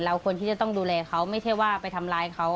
ควรที่จะต้องดูแลเขาไม่ใช่ว่าไปทำร้ายเขา